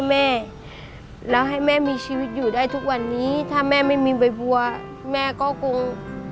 แม่แล้วให้แม่มีชีวิตอยู่ได้ทุกวันนี้ถ้าแม่ไม่มีใบบัวแม่ก็คง